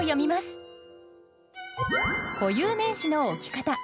固有名詞の置き方。